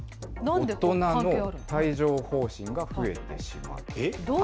大人の帯状ほう疹が増えてしまった。